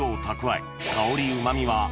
え！